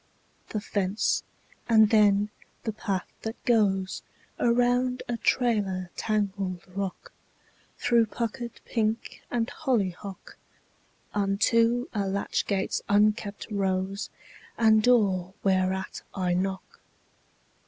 The fence; and then the path that goes Around a trailer tangled rock, Through puckered pink and hollyhock, Unto a latch gate's unkempt rose, And door whereat I knock.